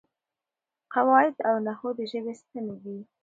قواعد او نحو د ژبې ستنې دي.